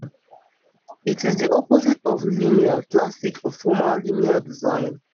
It is the opposite of linear, plastic or formal linear design.